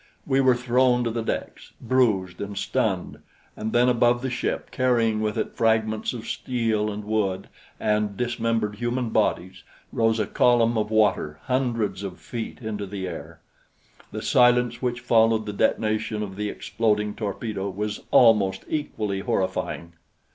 We were thrown to the decks, bruised and stunned, and then above the ship, carrying with it fragments of steel and wood and dismembered human bodies, rose a column of water hundreds of feet into the air. The silence which followed the detonation of the exploding torpedo was almost equally horrifying.